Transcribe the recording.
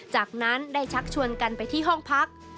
จากนั้นได้ชักชวนกันไปที่ห้องพัก